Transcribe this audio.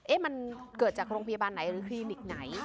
มันเกิดจากโรงพยาบาลไหนหรือคลินิกไหน